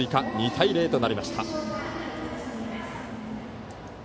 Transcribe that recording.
２対０となりました。